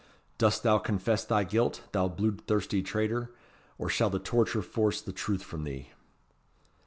Dost thou confess thy guilt, thou bluid thirsty traitor, or shall the torture force the truth from thee?"